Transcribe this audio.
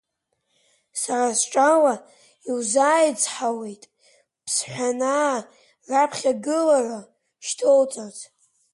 Сара сҿала иузааицҳауеит ԥсҳәанаа раԥхьагылара шьҭоуҵарц.